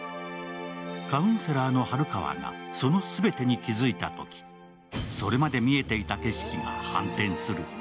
カウンセラーの晴川がその全てに気づいたときそれまで見えていた景色が反転する。